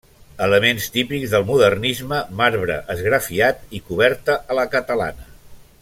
Elements típics del modernisme, marbre esgrafiat i coberta a la catalana.